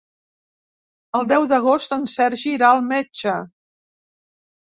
El deu d'agost en Sergi irà al metge.